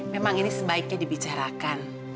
memang ini sebaiknya dibicarakan